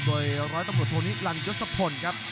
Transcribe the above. โดยร้อยต้องกดโทนิรันยสพลครับ